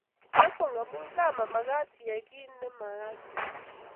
kiakwong amu kaa mamekat iyai kito ne mwkat iyai